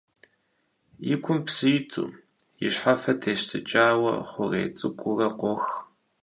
И кум псы иту, и щхьэфэр тещтыкӀауэ, хъурей цӀыкӀуурэ къох.